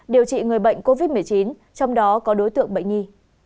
điều trị người bệnh covid một mươi chín trong đó có đối tượng bệnh nhi